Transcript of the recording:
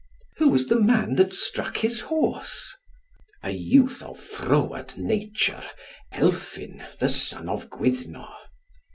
"Who was the man that struck his horse?" "A youth of froward nature; Elphin the son of Gwyddno."